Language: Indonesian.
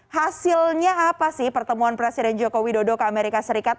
hasilnya apa sih pertemuan presiden joko widodo ke amerika serikat